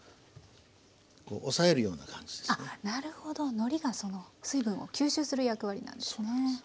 のりがその水分を吸収する役割なんですね。